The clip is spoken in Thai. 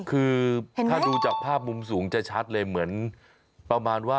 คือถ้าดูจากภาพมุมสูงจะชัดเลยเหมือนประมาณว่า